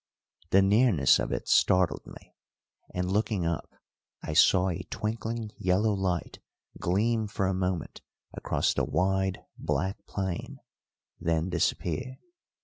The nearness of it startled me, and, looking up, I saw a twinkling yellow light gleam for a moment across the wide, black plain, then disappear.